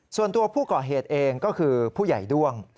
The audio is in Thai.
ส่วนตัวผู้ก่อเหตุเองก็คือผู้ใหญ่ด้วง